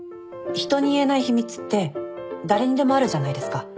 人に言えない秘密って誰にでもあるじゃないですか。